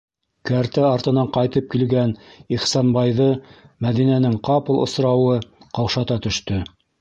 - Кәртә артынан ҡайтып килгән Ихсанбайҙы Мәҙинәнең ҡапыл осрауы ҡаушата төштө.